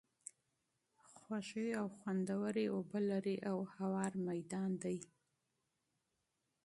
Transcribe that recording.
خوږې او خوندوَري اوبه لري، او هوار ميدان دی